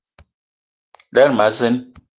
Lerma a zeen.